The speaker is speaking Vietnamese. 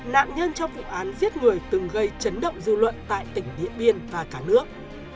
nạn nhân trong vụ án giết người từng gây chấn động dư luận tại tỉnh điện biên và cả nước